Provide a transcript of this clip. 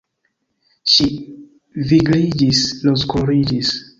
Ŝi vigliĝis, rozkoloriĝis.